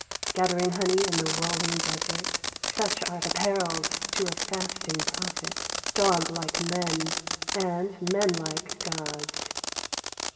Gathering honey in the roUing desert, Such are the perils to a fasting prophet — Dog hkc men, and men hke gods.